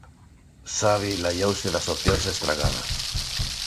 Xavi laiouse das opcións estragadas.